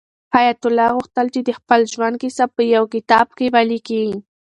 حیات الله غوښتل چې د خپل ژوند کیسه په یو کتاب کې ولیکي.